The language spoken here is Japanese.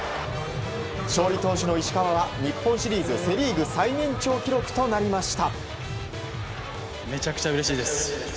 勝利投手の石川は日本シリーズ、セ・リーグ最年長記録となりました。